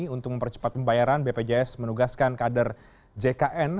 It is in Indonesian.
untuk mempercepat pembayaran bpjs menugaskan kader jkn